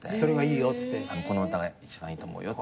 「この歌が一番いいと思うよ」って言って。